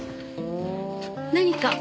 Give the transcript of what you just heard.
何か？